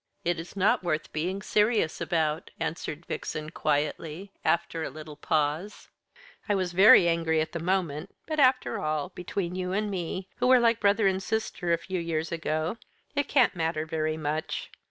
"It is not worth being serious about," answered Vixen quietly, after a little pause. "I was very angry at the moment, but after all between you and me who were like brother and sister a few years ago, it can't matter very much.